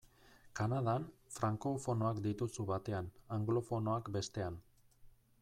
Kanadan, frankofonoak dituzu batean, anglofonoak bestean.